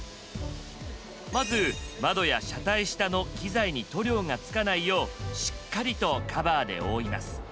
まず窓や車体下の機材に塗料がつかないようしっかりとカバーで覆います。